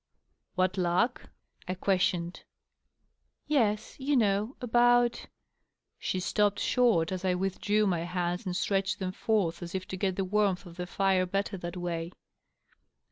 " What luck V^ I questioned. " Yes. You know. About " She stopped short as I withdrew my hands and stretched them forth as if to get the warmth of the fire better that way.